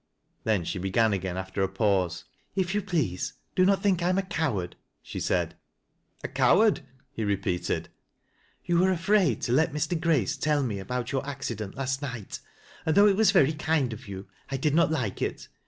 Then she began again, after a pause. " If you please, do not think I am a coward," she said. " A coward !" he repeated. " You were afraid to let Mr. Grace tell me about youi accident last night and though it was very kind of you, I did not like it.